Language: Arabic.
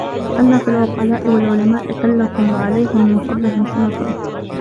لِأَنَّ فِي الْعُقَلَاءِ وَالْعُلَمَاءِ قِلَّةً وَعَلَيْهِمْ مِنْ فَضْلِهِمْ سِمَةٌ